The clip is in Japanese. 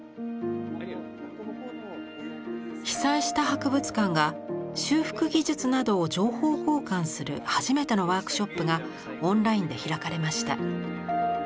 被災した博物館が修復技術などを情報交換する初めてのワークショップがオンラインで開かれました。